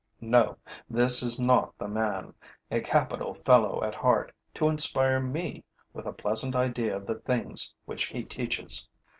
No, this is not the man, a capital fellow at heart, to inspire me with a pleasant idea of the things which he teaches.